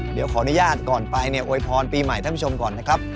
เดี๋ยวขออนุญาตก่อนไปเนี่ยอวยพรปีใหม่ท่านผู้ชมก่อนนะครับ